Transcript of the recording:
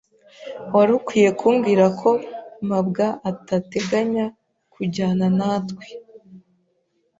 Wari ukwiye kumbwira ko mabwa atateganya kujyana natwe.